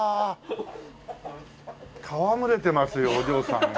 戯れてますよお嬢さんが。